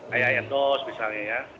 kayak endos misalnya ya